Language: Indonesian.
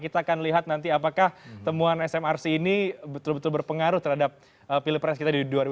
kita akan lihat nanti apakah temuan smrc ini betul betul berpengaruh terhadap pilpres kita di dua ribu dua puluh